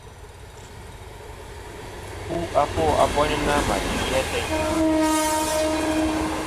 Fu afo a boynɨnɨ-a ma duʼi ateyn.